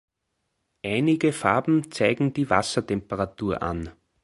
Einige Farben zeigen die Wassertemperatur an.